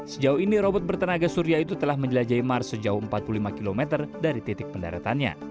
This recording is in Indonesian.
sejauh ini robot bertenaga surya itu telah menjelajahi mars sejauh empat puluh lima km dari titik pendaratannya